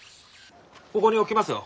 ここに置きますよ。